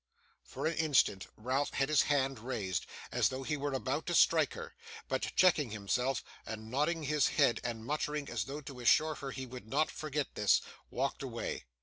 For an instant Ralph had his hand raised, as though he were about to strike her; but, checking himself, and nodding his head and muttering as though to assure her he would not forget this, walked away.